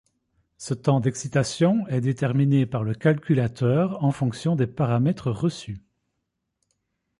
Ce temps d'excitation est déterminé par le calculateur en fonction des paramètres reçus.